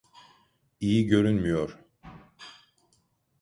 İyi görünmüyor.